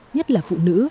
nhất là phụ nữ